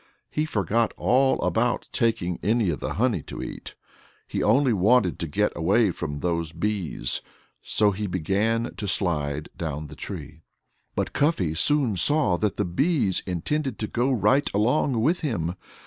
He forgot all about taking any of the honey to eat. He only wanted to get away from those bees. So he began to slide down the tree. But Cuffy soon saw that the bees intended to go right along with him.